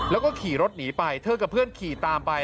แล้วก็ขี่รถหนีไปเธอกับเพื่อนขี่ตามไป